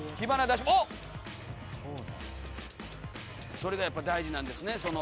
それがやっぱ大事なんですね。